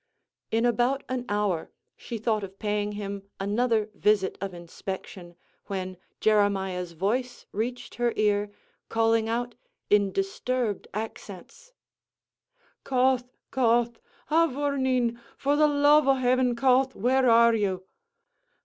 In about an hour she thought of paying him another visit of inspection, when Jeremiah's voice reached her ear, calling out in disturbed accents, "Cauth! Cauth! a vourneen! For the love o' heaven, Cauth! where are you?"